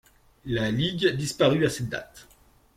La Ligue disparut à cette date.